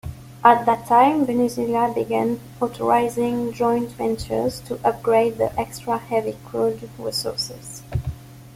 At that time Venezuela began authorizing joint ventures to upgrade the extra-heavy crude resources.